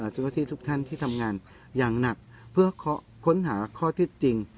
เจ้าหน้าที่ทุกท่านที่ทำงานอย่างหนักเพื่อค้นหาข้อเท็จจริง